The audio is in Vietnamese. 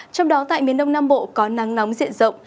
trong đó tại miền đông nam bộ có nắng nóng diện rộng